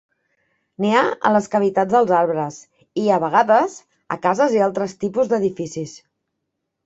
Nia a les cavitats dels arbres i, a vegades, a cases i altres tipus d'edificis.